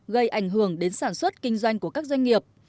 gây ảnh hưởng đến sản xuất kinh doanh của các doanh nghiệp